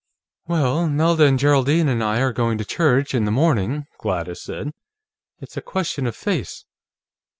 "Well, Nelda and Geraldine and I are going to church, in the morning," Gladys said. "It's a question of face.